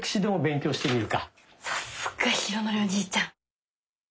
さすが浩徳おじいちゃん！